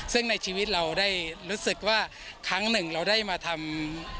ซึ่งในชีวิตเราได้รู้สึกว่าครั้งหนึ่งเราได้มาทำ